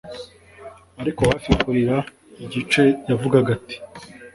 ariko hafi kurira igihe yavugaga ati